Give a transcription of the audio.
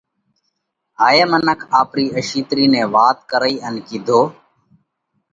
هائِيئہ منک آپرِي اشِيترِي نئہ وات ڪرئِي ان ڪِيڌو: